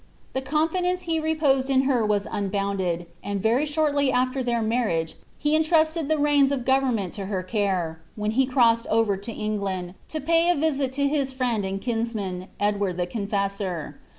The confidence he reposed in her was unbounded, and very shortly after their marriage he intrusted the reins of government to her care, wlien he crossed over to England, to pay a visit to his friend and kinsman, Ed ward the Confessor.